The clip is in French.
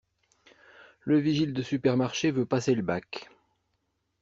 Le vigile de supermarché veut passer le bac...